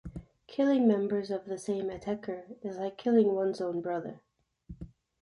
Killing members of the same Ateker is like killing one's own brother.